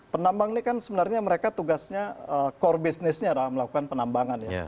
penambang ini kan sebenarnya mereka tugasnya core business nya adalah melakukan penambangan ya